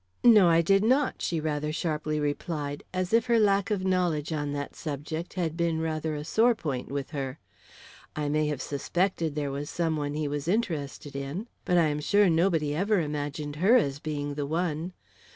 "No, I did not," she rather sharply replied, as if her lack of knowledge on that subject had been rather a sore point with her. "I may have suspected there was some one he was interested in, but I am sure nobody ever imagined her as being the one.